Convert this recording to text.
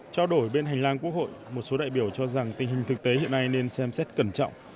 trao đổi bên hành lang quốc hội một số đại biểu cho rằng tình hình thực tế hiện nay nên xem xét cẩn trọng